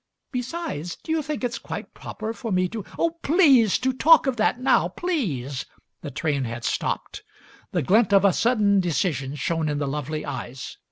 "Besides, do you think it's quite proper for me to " "Oh, please! To talk of that now! Please!" The train had stopped. The glint of a sudden decision shone in the lovely eyes.